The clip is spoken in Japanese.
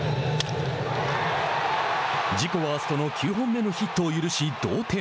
自己ワーストの９本目のヒットを許し同点。